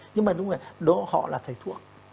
nhưng mà đúng rồi họ là thầy thuốc